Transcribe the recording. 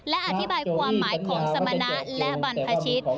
และอธิบายความหมายของสมณะและบรรพชิต